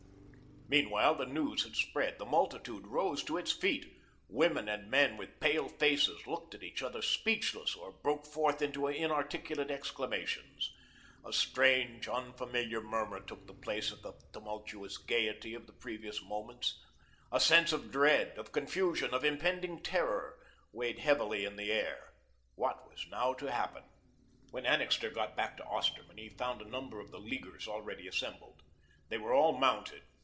Meanwhile, the news had spread. The multitude rose to its feet. Women and men, with pale faces, looked at each other speechless, or broke forth into inarticulate exclamations. A strange, unfamiliar murmur took the place of the tumultuous gaiety of the previous moments. A sense of dread, of confusion, of impending terror weighed heavily in the air. What was now to happen? When Annixter got back to Osterman, he found a number of the Leaguers already assembled. They were all mounted.